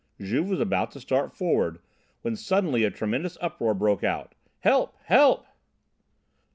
Juve was about to start forward again when suddenly a tremendous uproar broke out: "Help! Help!"